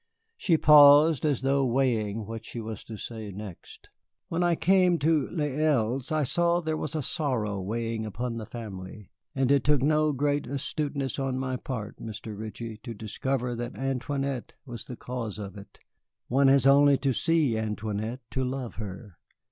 She paused, as though weighing what she was to say next. "When I came to Les Îles I saw that there was a sorrow weighing upon the family; and it took no great astuteness on my part, Mr. Ritchie, to discover that Antoinette was the cause of it. One has only to see Antoinette to love her.